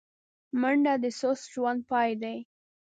منډه د سست ژوند پای دی